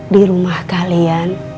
di rumah kalian